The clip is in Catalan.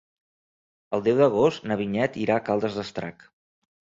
El deu d'agost na Vinyet irà a Caldes d'Estrac.